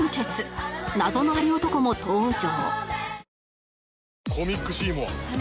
謎のアリ男も登場